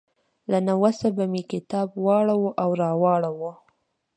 له نه وسه به مې کتاب واړاوه او راواړاوه.